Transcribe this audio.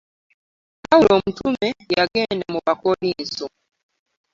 Pawulo omutume yage da mu bakolinso .